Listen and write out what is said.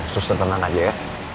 sus tenang aja ya